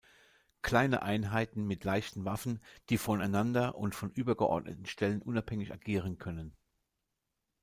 Kleine Einheiten mit leichten Waffen, die voneinander und von übergeordneten Stellen unabhängig agieren können.